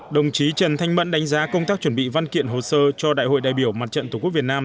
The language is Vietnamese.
đồng chí trần thanh mẫn đánh giá công tác chuẩn bị văn kiện hồ sơ cho đại hội đại biểu mặt trận tổ quốc việt nam